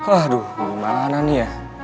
aduh gimana nih ya